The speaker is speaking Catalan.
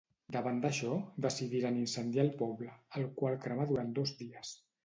Davant d'això, decidiren incendiar el poble, el qual cremà durant dos dies.